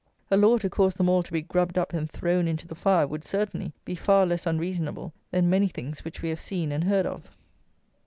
A law to cause them all to be grubbed up, and thrown into the fire, would, certainly, be far less unreasonable than many things which we have seen and heard of.